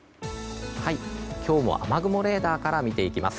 今日は雨雲レーダーから見ていきます。